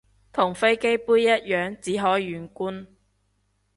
同飛機杯一樣只可遠觀